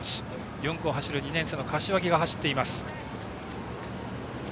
４区を走る２年生の柏木が走っています。